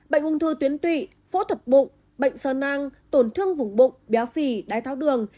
bệnh ung thư tuyến tụy phẫu thuật bụng bệnh sơ nang tổn thương vùng bụng béo phì đáy tháo đường